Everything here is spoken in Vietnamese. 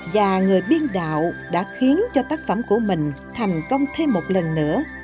và người biên đạo đã khiến cho tác phẩm của mình thành công thêm một lần nữa